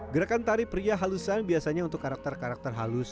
gerakan tari pria halusan biasanya untuk karakter karakter halus